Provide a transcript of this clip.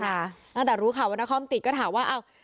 แล้วแต่รู้ค่ะว่านครติดก็ถามว่า